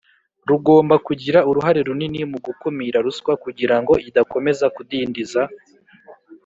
rugomba kugira uruhare runini mu gukumira ruswa kugira ngo idakomeza kudindiza